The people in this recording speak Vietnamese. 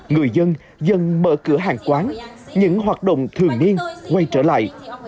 người dân dần mở cửa hàng quán những hoạt động thường niên quay trở lại